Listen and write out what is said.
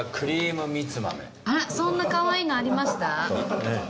あっそんなかわいいのありました？